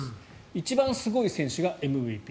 一番すごい選手がＭＶＰ。